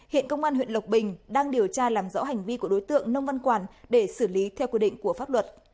hiện công an huyện lộc bình đang điều tra làm rõ hành vi của đối tượng nông văn quản để xử lý theo quy định của pháp luật